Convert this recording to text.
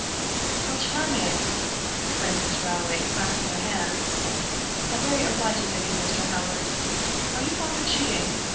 } "How charming!" exclaimed Miss Rowley, clasping her hands. "How very obliging of you, Mr. Howard. Are you fond of shooting?